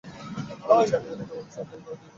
আমি ছেড়ে দিলে সে তোমাকে সার্জারি করে দুই ভাগ করে দেবে।